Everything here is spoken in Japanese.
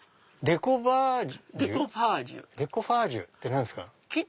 デコパージュって何ですか？